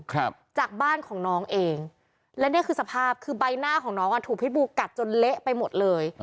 ครับจากบ้านของน้องเองและนี่คือสภาพคือใบหน้าของน้องอ่ะถูกพิษบูกัดจนเละไปหมดเลย